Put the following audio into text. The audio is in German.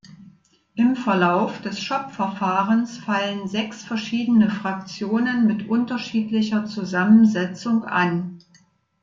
Im Verlauf des Shop-Verfahrens fallen sechs verschiedene Fraktionen mit unterschiedlicher Zusammensetzung an.